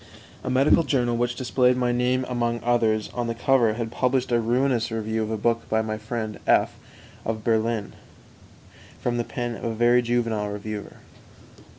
2. A medical journal which displayed my name among others on the cover had published a ruinous review of a book by my friend F of Berlin, from the pen of a very juvenile reviewer.